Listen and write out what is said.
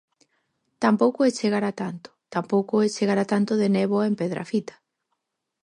Tampouco é chegar a tanto, tampouco é chegar a tanto de néboa en Pedrafita.